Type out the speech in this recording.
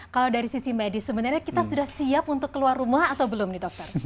kalau dari sisi medis sebenarnya kita sudah siap untuk keluar rumah atau belum nih dokter